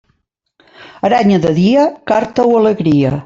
Aranya de dia, carta o alegria.